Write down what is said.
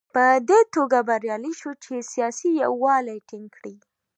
په دې توګه بریالی شو چې سیاسي یووالی ټینګ کړي.